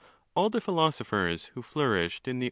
All the philosophers who flourished in the.